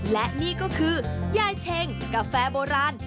และนี่ก็คือยายเช็งกาแฟโบราณ